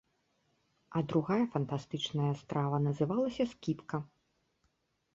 А другая фантастычная страва называлася скібка.